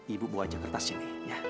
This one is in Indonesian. ibu buat aja kertas ini